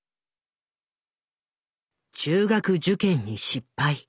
中学受験に失敗。